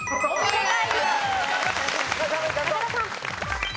正解。